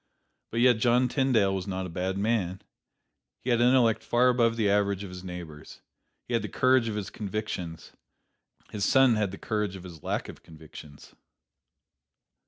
But yet John Tyndale was not a bad man. He had intellect far above the average of his neighbors. He had the courage of his convictions. His son had the courage of his lack of convictions.